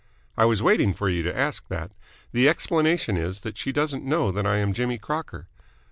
"I was waiting for you to ask that. The explanation is that she doesn't know that I am Jimmy Crocker."